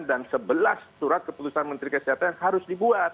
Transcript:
dan sebelas surat keputusan menteri kesehatan yang harus dibuat